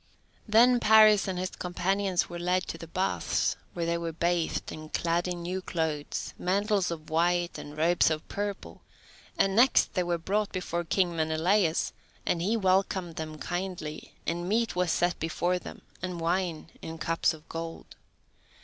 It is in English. Then Paris and his companions were led to the baths, where they were bathed, and clad in new clothes, mantles of white, and robes of purple, and next they were brought before King Menelaus, and he welcomed them kindly, and meat was set before them, and wine in cups of gold.